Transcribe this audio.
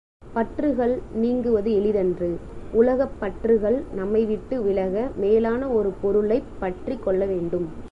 பற்றுகள் நீங்குவது எளிதன்று உலகப் பற்றுகள் நம்மைவிட்டு விலக மேலான ஒரு பொருளைப் பற்றிக் கொள்ளவேண்டும்.